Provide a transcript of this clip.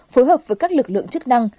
phối hợp với các lực lượng chức năng